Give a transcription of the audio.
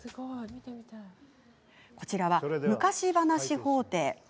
こちらは「昔話法廷」。